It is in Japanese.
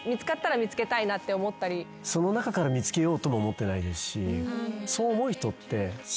その中から見つけようとも思ってないですし。